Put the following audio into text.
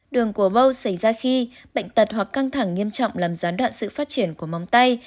đường của bâu xảy ra khi bệnh tật hoặc căng thẳng nghiêm trọng làm gián đoạn sự phát triển của món tay